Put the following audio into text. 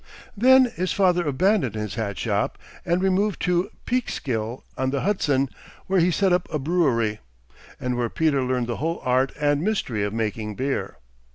Then his father abandoned his hat shop and removed to Peekskill on the Hudson, where he set up a brewery, and where Peter learned the whole art and mystery of making beer.